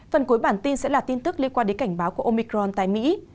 phần cuối bản tin sẽ là tin tức liên quan đến cảnh báo của omicron tại mỹ